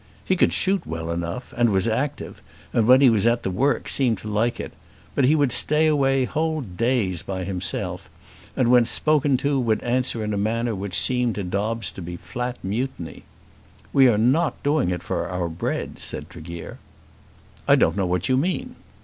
He could shoot well enough and was active, and when he was at the work seemed to like it; but he would stay away whole days by himself, and when spoken to would answer in a manner which seemed to Dobbes to be flat mutiny. "We are not doing it for our bread," said Tregear. "I don't know what you mean."